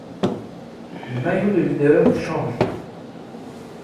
Le maillot de leader change.